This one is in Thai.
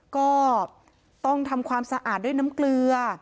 ก็ต้องทำความสะอาดด้วยน้ำเกลือ